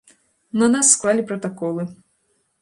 На нас склалі пратаколы.